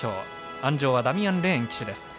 鞍上はダミアン・レーン騎手です。